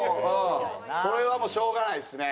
これはもうしょうがないですね。